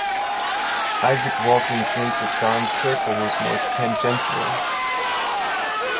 Isaac Walton's link with Donne's circle was more tangential.